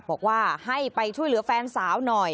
บอกว่าให้ไปช่วยเหลือแฟนสาวหน่อย